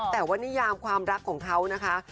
แต่ว่านิยามความรักของเขานะคะ